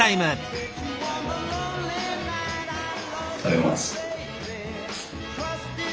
食べます。